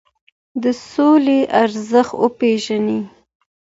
د سولي ارزښت وپیرژنئ.